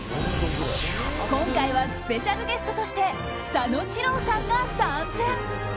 今回はスペシャルゲストとして佐野史郎さんが参戦。